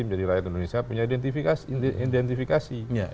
menjadi rakyat indonesia punya identifikasi